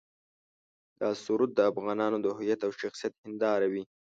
دا سرود د افغانانو د هویت او شخصیت هنداره وي.